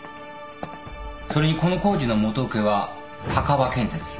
それにこの工事の元請けは鷹和建設。